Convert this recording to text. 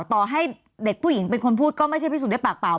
ต่อให้เด็กผู้หญิงเป็นคนพูดก็ไม่ใช่พิสูจนได้ปากเปล่า